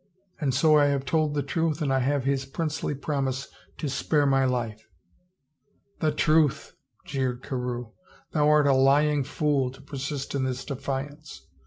And so I have told the truth and I have his princely promise to spare my life. " The truth !" jeered Carewe. " Thou art a lying fool to persist in this defiance.